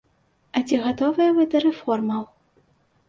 А ці гатовыя вы да рэформаў?